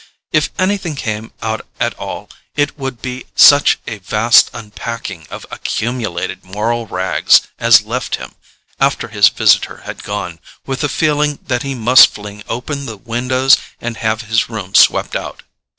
If anything came out at all, it would be such a vast unpacking of accumulated moral rags as left him, after his visitor had gone, with the feeling that he must fling open the windows and have his room swept out.